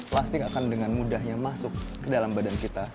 plastik akan dengan mudahnya masuk ke dalam badan kita